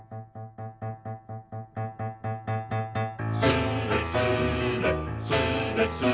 「スレスレスレスレ」